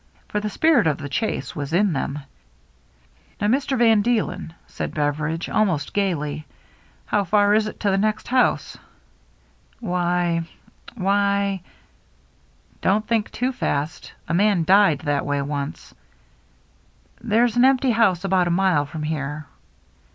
For the spirit of the chase was in them. WHISKEY JIM 355 " Now, Mister Van," said Beveridgc, almost gayly, " how far is it to the next house ?" "Why — why —" "Don't think too fast. A man died that way once." " There's an empty house about a mile from here."